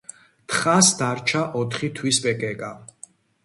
თხას დარჩა ოთხი თვის ბეკეკა.